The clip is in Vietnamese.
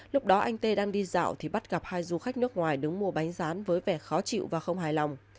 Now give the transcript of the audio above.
lúc đó anh tê đang đi dạo thì bắt gặp hai du khách nước ngoài đứng mua bánh rán với vẻ khó chịu và không hài lòng